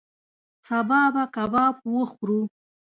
سبا به کباب وخورو